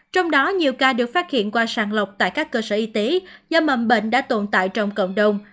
trong đó nhiều ca được phát hiện qua sàng lọc tại các cơ sở y tế do mầm bệnh đã tồn tại trong cộng đồng